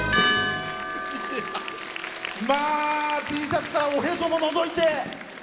Ｔシャツからおへそものぞいて。